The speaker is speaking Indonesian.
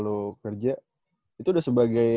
lo kerja itu udah sebagai